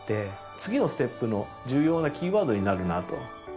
次のステップの重要なキーワードになるなと。